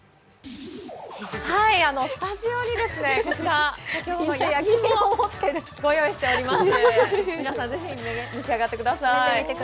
スタジオに先ほどの焼き芋ご用意しております。